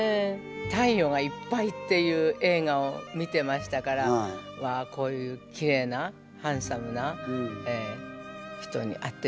「太陽がいっぱい」っていう映画を見てましたからこういうきれいなハンサムな人に会ってみたいと思います。